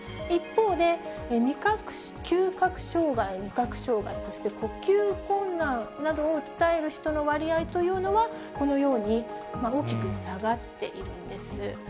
一方で、嗅覚障害、味覚障害、そして呼吸困難などを訴える人の割合というのは、このように大きく下がっているんです。